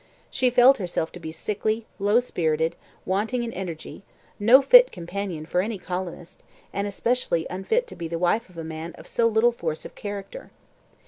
She felt herself to be sickly, low spirited, wanting in energy, no fit companion for any colonist, and especially unfit to be the wife of a man of so little force of character.